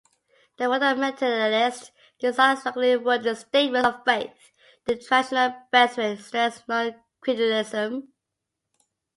The fundamentalists desired strongly worded statements of faith, the traditional Brethren stressed non-creedalism.